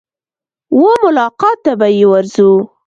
وه ملاقات ته به يې ورځو.